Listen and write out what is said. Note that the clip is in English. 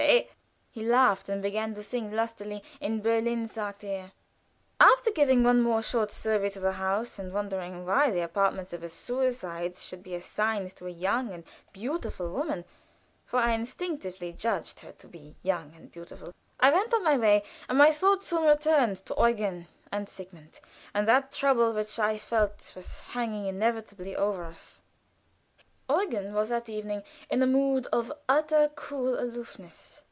Hè!" He laughed, and began to sing lustily, "In Berlin, sagt' er." After giving one more short survey to the house, and wondering why the apartments of a suicide should be assigned to a young and beautiful woman (for I instinctively judged her to be young and beautiful), I went on my way, and my thoughts soon returned to Eugen and Sigmund, and that trouble which I felt was hanging inevitably over us. Eugen was, that evening, in a mood of utter, cool aloofness.